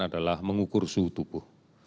adalah mengukur suhu tubuh